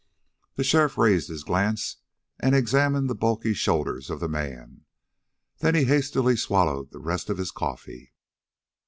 The sheriff raised his glance and examined the bulky shoulders of the man. Then he hastily swallowed the rest of his coffee.